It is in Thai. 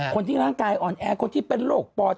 คนที่ร่างกายอ่อนแอคนที่เป็นโรคปอด